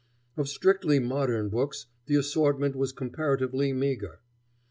Of strictly modern books the assortment was comparatively meagre.